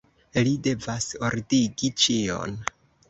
Li devas ordigi ĉion.